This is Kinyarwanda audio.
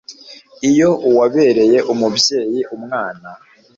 iyo uwabereye umubyeyi umwana